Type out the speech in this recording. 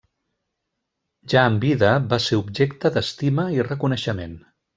Ja en vida, va ser objecte d'estima i reconeixement.